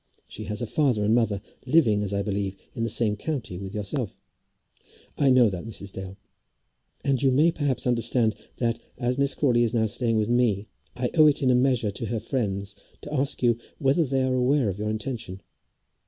She has a father and mother, living, as I believe, in the same county with yourself." "I know that, Mrs. Dale." "And you may, perhaps, understand that, as Miss Crawley is now staying with me, I owe it in a measure to her friends to ask you whether they are aware of your intention."